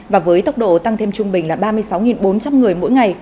và với tốc độ tăng thêm trung bình là ba mươi sáu bốn trăm linh người mỗi ngày